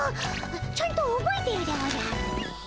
ちゃんとおぼえているでおじゃる。